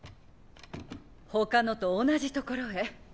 ほかのと同じところへ。